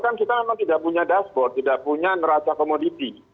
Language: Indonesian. kan kita memang tidak punya dashboard tidak punya neraca komoditi